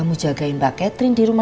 mama mandi dulu ya